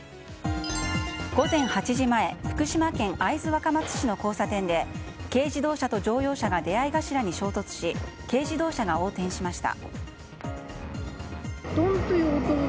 午前８時前福島県会津若松市の交差点で軽自動車と乗用車が出合い頭に衝突し軽自動車が横転しました。